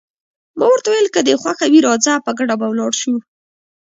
ما ورته وویل: که دې خوښه وي راځه، په ګډه به ولاړ شو.